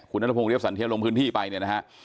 คุณธนพงศ์เรียบสันเทียบลงพื้นที่ไปนะครับ